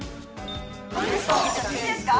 いいですか？